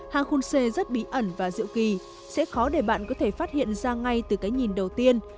hang khunse rất bí ẩn và dịu kì sẽ khó để bạn có thể phát hiện ra ngay từ cái nhìn đầu tiên